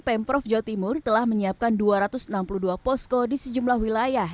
pemprov jawa timur telah menyiapkan dua ratus enam puluh dua posko di sejumlah wilayah